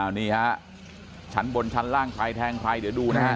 อันนี้ฮะชั้นบนของชั้นล่างคล้ายแทงคล้ายเดี๋ยวจะดูนะฮะ